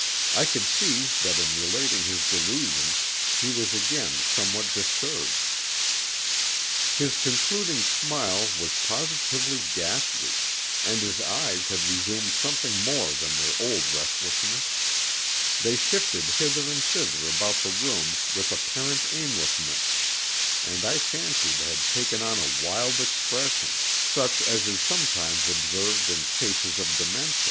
I could see that in relating his delusion he was again somewhat disturbed. His concluding smile was positively ghastly, and his eyes had resumed something more than their old restlessness; they shifted hither and thither about the room with apparent aimlessness and I fancied had taken on a wild expression, such as is sometimes observed in cases of dementia.